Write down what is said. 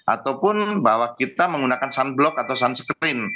ataupun bahwa kita menggunakan sunblock atau sunscreen